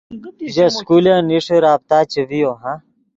ژے سکولن نیݰے رابطہ چے ڤیو